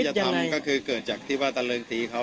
จะทำก็คือเกิดจากที่ว่าตะเริงตีเขา